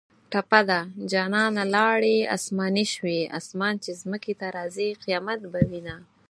ټپه ده: جانانه لاړې اسماني شوې اسمان چې ځمکې ته راځۍ قیامت به وینه